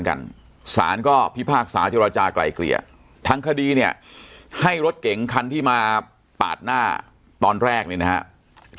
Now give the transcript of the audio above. กันสารก็พิพากษาเจรจากลายเกลี่ยทั้งคดีเนี่ยให้รถเก๋งคันที่มาปาดหน้าตอนแรกเนี่ยนะครับ